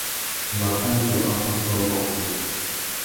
Mangazu a mú wutiō umôchï.